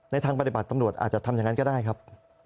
ทางปฏิบัติตำรวจอาจจะทำอย่างนั้นก็ได้ครับ